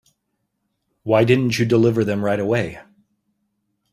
Why didn't you deliver them right away?